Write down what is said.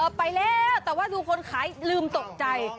ไปแล้วแต่ว่าดูคนขายลืมตกใจ